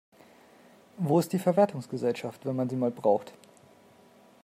Wo ist die Verwertungsgesellschaft, wenn man sie mal braucht?